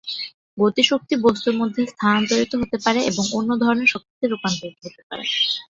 গতিশক্তি বস্তুর মধ্যে স্থানান্তরিত হতে পারে এবং অন্য ধরণের শক্তিতে রূপান্তরিত হতে পারে।